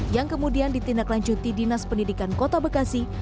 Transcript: yang kemudian ditindaklanjuti dinas pendidikan kota bekasi